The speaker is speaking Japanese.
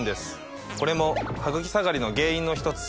これもハグキ下がりの原因の一つ。